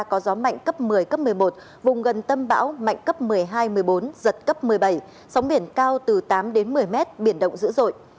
có gió mạnh cấp một mươi cấp một mươi một vùng gần tâm bão mạnh cấp một mươi hai một mươi bốn giật cấp một mươi bảy sóng biển cao từ tám đến một mươi mét biển động dữ dội